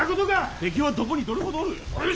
敵はどこにどれほどおる？